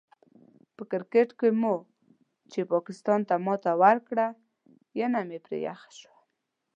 په کرکیټ کې مو چې پاکستان ته ماتې ورکړله، ینه مې پرې یخه شوله.